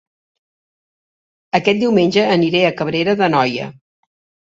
Aquest diumenge aniré a Cabrera d'Anoia